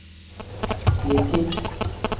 Yeki.